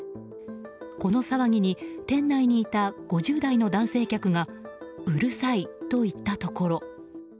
この騒ぎに店内にいた５０代の男性客がうるさいと言ったところ。